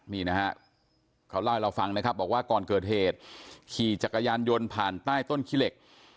เค้าเล่าให้เราฟังบอกว่าก่อนเกิดเหตุขี่จกยานยนต์ผ่านใต้ต้นขิเล็ก